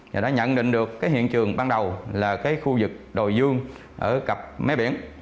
và đã nhận định được cái hiện trường ban đầu là cái khu vực đồi dương ở cặp mái biển